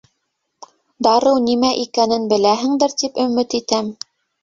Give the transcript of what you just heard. —Дарыу нимә икәнен беләһеңдер тип өмөт итәм?